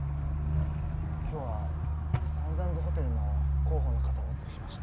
今日はサウザンズホテルの広報の方をお連れしました。